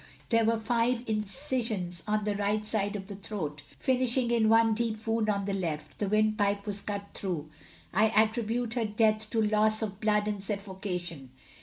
There were five incisions on the right side of the throat, finishing in one deep wound on the left. The windpipe was cut through. I attribute her death to loss of blood and suffocation.